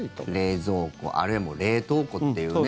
冷蔵庫あるいは冷凍庫っていうね